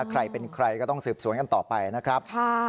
ใครเป็นใครก็ต้องสืบสวนกันต่อไปนะครับ